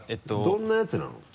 どんなやつなの？